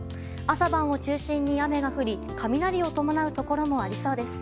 朝晩を中心に雨が降り雷を伴うところもありそうです。